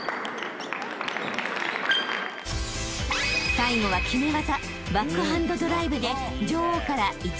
［最後は決め技］